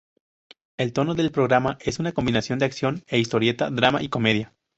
El tono del programa es una combinación de acción de historieta, drama y comedia.